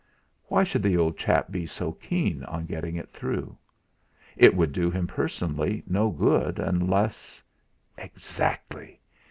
Why should the old chap be so keen on getting it through? It would do him personally no good, unless Exactly!